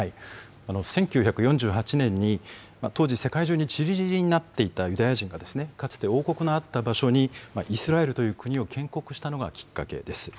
１９４８年に、当時世界中に散り散りになっていたユダヤ人がですね、かつて王国のあった場所に、イスラエルという国を建国したのがきっかけです。